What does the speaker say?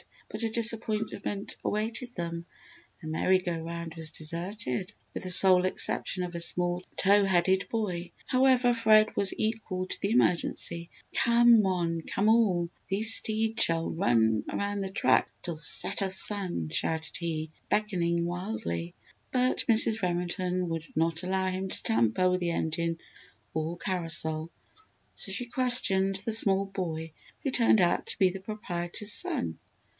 But a disappointment awaited them. The merry go round was deserted with the sole exception of a small tow headed boy. However Fred was equal to the emergency. "'Come one, come all, these steeds shall run around this track 'til set of sun,'" shouted he, beckoning wildly. But Mrs. Remington would not allow him to tamper with the engine or carousel, so she questioned the small boy who turned out to be the proprietor's son.